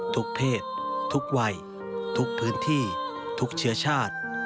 เพศทุกวัยทุกพื้นที่ทุกเชื้อชาติ